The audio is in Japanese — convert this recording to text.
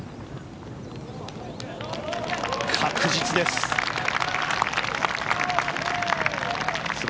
確実です。